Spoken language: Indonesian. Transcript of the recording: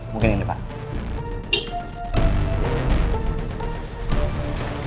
mungkin ini pak